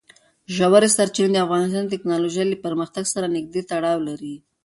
ژورې سرچینې د افغانستان د تکنالوژۍ له پرمختګ سره نږدې تړاو لري.